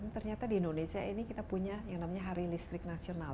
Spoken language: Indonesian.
ternyata di indonesia ini kita punya yang namanya hari listrik nasional